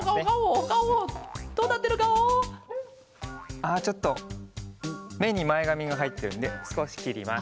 あっちょっとめにまえがみがはいってるんですこしきります。